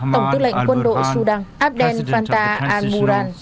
tổng tư lệnh quân đội sudan abdel fattah al murad